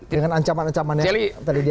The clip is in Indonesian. dengan ancaman ancamannya tadi di analisa